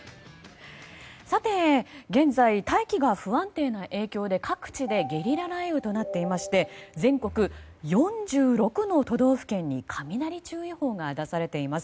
さて、現在大気が不安定な影響で各地でゲリラ雷雨となっていまして全国４６の都道府県に雷注意報が出されています。